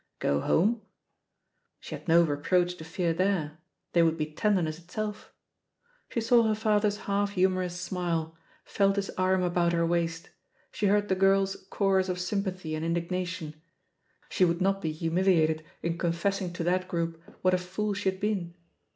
!Go home? She had no reproach to fear there, ihey would be tenderness itself. She saw her father's half humorous smile, felt his arm about her waist; she heard the girls' chorus of sym pathy and indignation; she would not be humil iated in confessing to that group what a. fool she had been.